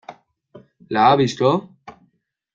¿ la ha visto?